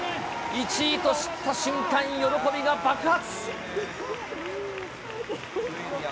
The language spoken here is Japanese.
１位と知った瞬間、喜びが爆発。